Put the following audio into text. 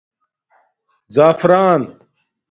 زَعفران